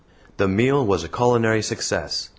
The meal was a culinary success.